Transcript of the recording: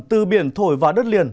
từ biển thổi vào đất liền